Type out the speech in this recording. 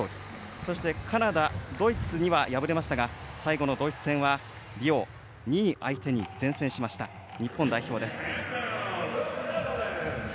そして、カナダ、ドイツには敗れましたが最後のドイツ戦はリオ２位相手に善戦しました、日本代表です。